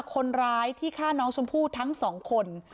คนร้ายที่ฆ่าน้องชมพู่ทั้งสองคน